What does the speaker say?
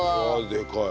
でかい。